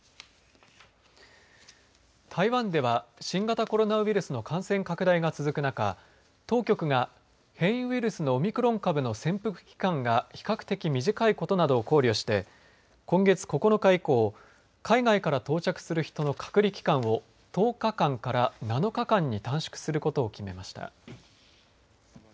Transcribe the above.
台湾では新型コロナウイルスの感染拡大が続く中当局が変異ウイルスのオミクロン株の潜伏期間が比較的短いことなどを考慮して今月９日以降海外から到着する人の隔離期間を１０日間から７日間に短縮することを決めました。